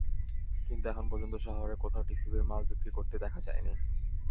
কিন্তু এখন পর্যন্ত শহরে কোথাও টিসিবির মাল বিক্রি করতে দেখা যায়নি।